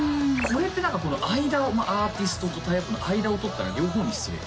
これって何かこの間をアーティストとタイアップの間を取ったら両方に失礼